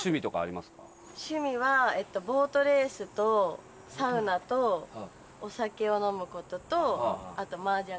趣味はボートレースとサウナとお酒を飲む事とあと麻雀が好きです。